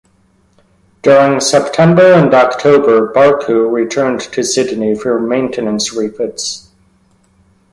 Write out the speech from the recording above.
During September and October, "Barcoo" returned to Sydney for maintenance refits.